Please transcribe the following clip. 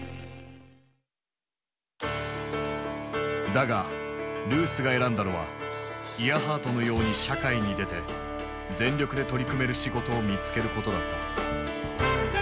だがルースが選んだのはイアハートのように社会に出て全力で取り組める仕事を見つけることだった。